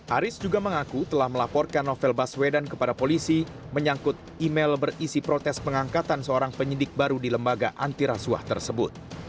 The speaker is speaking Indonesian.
aris juga mengaku telah melaporkan novel baswedan kepada polisi menyangkut email berisi protes pengangkatan seorang penyidik baru di lembaga antirasuah tersebut